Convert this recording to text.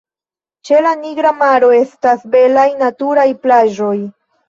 Ĉe la Nigra Maro estas belaj naturaj plaĝoj.